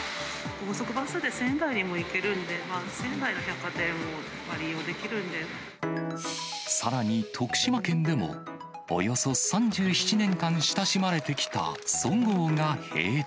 高速バスで仙台にも行けるんで、仙台の百貨店を利用できるんさらに徳島県でも、およそ３７年間親しまれてきたそごうが閉店。